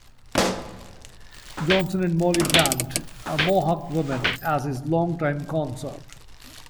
Johnson had Molly Brant, a Mohawk woman, as his longtime consort.